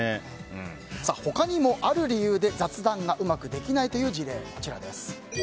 他にも、ある理由で雑談がうまくできないという事例。